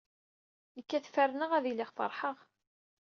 Nekk ad ferneɣ ad iliɣ feṛḥeɣ.